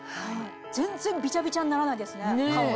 全然びちゃびちゃにならないですね顔が。